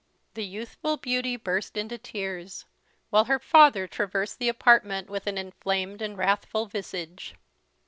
The youthful beauty burst into tears, while her father traversed the apartment with an inflamed and wrathful visage.